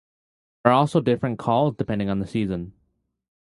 There are also different calls depending on the season.